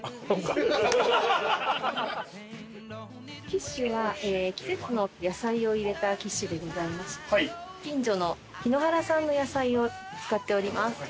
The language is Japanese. キッシュは季節の野菜を入れたキッシュでございまして近所の檜原産の野菜を使っております。